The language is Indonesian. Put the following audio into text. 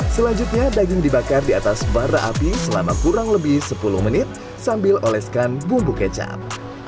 selanjutnya daging dibakar di atas bara api selama kurang lebih sepuluh menit sambil oleskan bumbu kecap